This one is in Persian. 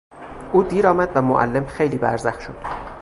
او دیر آمد و معلم خیلی برزخ شد.